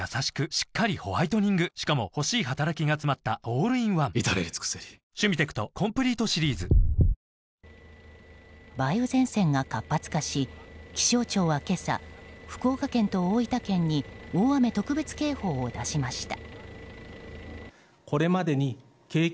しっかりホワイトニングしかも欲しい働きがつまったオールインワン至れり尽せり梅雨前線が活発化し気象庁は今朝福岡県と大分県に大雨特別警報を出しました。